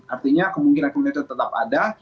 artinya kemungkinan kemungkinan itu tetap ada